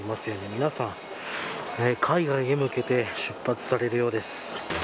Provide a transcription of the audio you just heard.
皆さん、海外へ向けて出発されるようです。